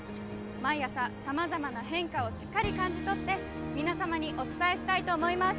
毎朝さまざまな変化をしっかり感じ取って皆様にお伝えしたいと思います。